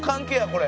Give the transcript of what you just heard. これ」